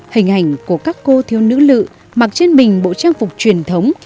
hình ảnh của các cô thiêu nữ lự mặc trên mình bộ trang phục truyền thống